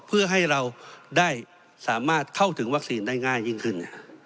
เพื่อให้เราได้สามารถเข้าถึงวัคซีนได้ง่ายยิ่งขึ้น